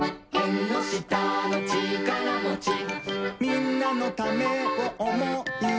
「みんなのためをおもう」